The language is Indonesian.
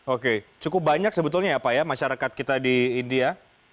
oke cukup banyak sebetulnya ya pak ya masyarakat kita di india